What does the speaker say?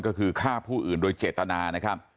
ก็คือฆ่าผู้อื่นโดยเจตนานะครับ